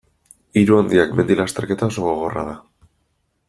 Hiru handiak mendi-lasterketa oso gogorra da.